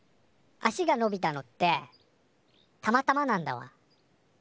足がのびたのってたまたまなんだわ。